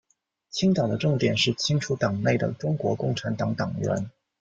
清党的重点是清除党内的中国共产党党员。